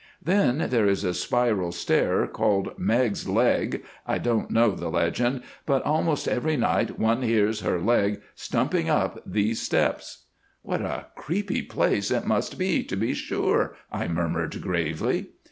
"Then there is a spiral stair, called 'Meg's Leg.' I don't know the legend, but almost every night one hears her leg stumping up these steps." "What a creepy place it must be, to be sure," I murmured, gravely.